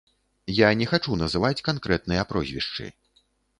Я не хачу называць канкрэтныя прозвішчы.